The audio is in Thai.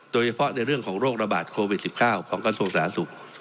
โดยเฉพาะในเรื่องของโรคระบาดโควิด๑๙ของกระทรวงสาธารณสุข